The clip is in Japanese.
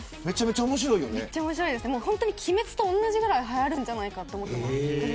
鬼滅と同じぐらいはやるんじゃないかと思います。